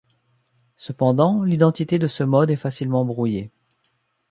Cependant, l'identité de ce mode est facilement brouillée.